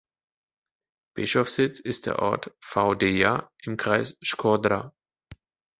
Bischofssitz ist der Ort Vau-Deja im Kreis Shkodra.